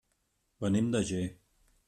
Venim de Ger.